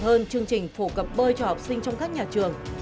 hơn chương trình phổ cập bơi cho học sinh trong các nhà trường